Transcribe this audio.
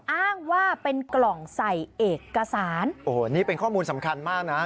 อ้างว่าเป็นกล่องใส่เอกสารโอ้โหนี่เป็นข้อมูลสำคัญมากนะ